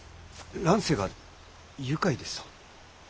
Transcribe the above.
乱世が愉快ですと？